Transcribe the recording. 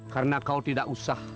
karena kau tidak usah